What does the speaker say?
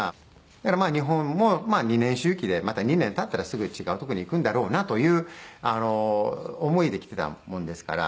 だからまあ日本も２年周期でまた２年経ったらすぐ違うとこに行くんだろうなという思いで来てたもんですから。